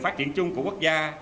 phát triển chung của quốc gia